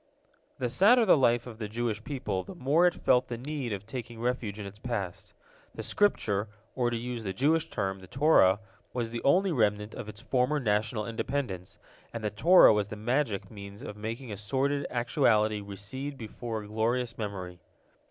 The sadder the life of the Jewish people, the more it felt the need of taking refuge in its past. The Scripture, or, to use the Jewish term, the Torah, was the only remnant of its former national independence, and the Torah was the magic means of making a sordid actuality recede before a glorious memory.